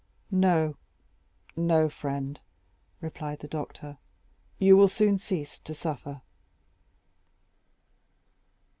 "No, no, friend," replied the doctor, "you will soon cease to suffer."